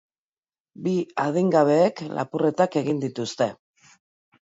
Bi adingabeek lapurretak egin dituzte.